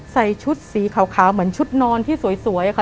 ใส่ชุดสีขาวเหมือนชุดนอนที่สวยค่ะ